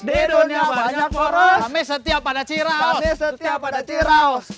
kami setia pada ciraus